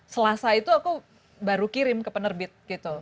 selasa itu aku baru kirim ke penerbit gitu